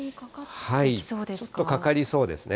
ちょっとかかりそうですね。